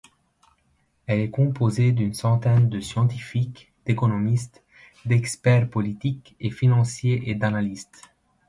Il est composé d’une centaine de scientifiques, d’économistes, d’experts politiques et financiers et d’analystes.